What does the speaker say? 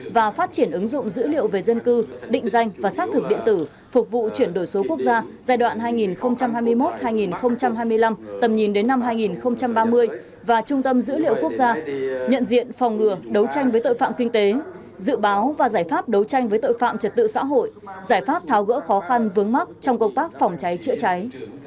và phát triển ứng dụng dữ liệu về dân cư định danh và xác thực điện tử phục vụ chuyển đổi số quốc gia giai đoạn hai nghìn hai mươi một hai nghìn hai mươi năm tầm nhìn đến năm hai nghìn ba mươi và trung tâm dữ liệu quốc gia nhận diện phòng ngừa đấu tranh với tội phạm kinh tế dự báo và giải pháp đấu tranh với tội phạm trật tự xã hội giải pháp tháo gỡ khó khăn vướng mắt trong công tác phòng cháy chữa cháy